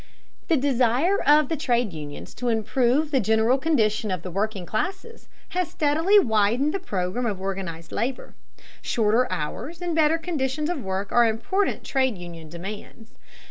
The desire of the trade unions to improve the general condition of the working classes has steadily widened the program of organized labor. Shorter hours and better conditions of work are important trade union demands.